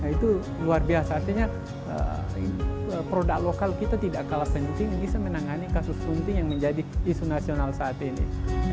itu luar biasa artinya produk lokal kita tidak kalah penting bisa menangani kasus sunting yang menjadi isu nasional saat ini